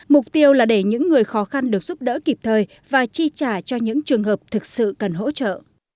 mục tiêu là để những người khó khăn được giúp đỡ kịp thời và chi trả cho những trường hợp thực sự cần hỗ trợ